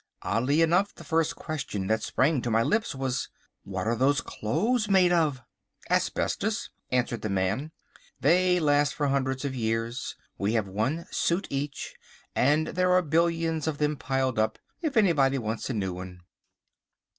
Oddly enough the first question that sprang to my lips was— "What are those clothes made of?" "Asbestos," answered the man. "They last hundreds of years. We have one suit each, and there are billions of them piled up, if anybody wants a new one."